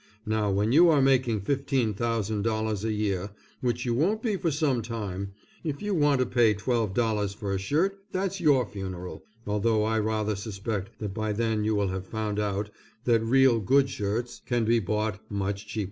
Now when you are making $15,000 a year which you won't be for some time, if you want to pay twelve dollars for a shirt that's your funeral, although I rather suspect that by then you will have found out that real good shirts can be bought much cheaper.